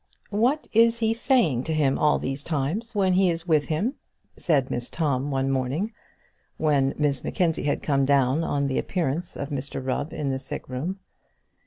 "What is he saying to him all these times when he is with him?" said Mrs Tom one morning, when Miss Mackenzie had come down on the appearance of Mr Rubb in the sick room.